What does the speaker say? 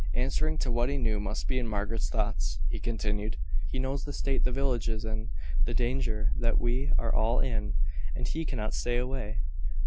Answering to what he knew must be in Margaret's thoughts, he continued "He knows the state the village is in the danger that we are all in, and he cannot stay away."